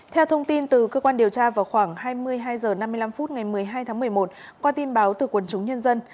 theo thông tin từ cơ quan điều tra vào khoảng hai mươi hai h năm mươi năm phút ngày một mươi hai tháng một mươi một qua tin báo từ quần chúng nhân dân